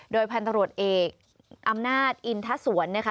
โดยพันธุ์ตรวจเอกอำนาจอินทัศน์สวนเนี่ยค่ะ